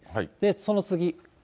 その次。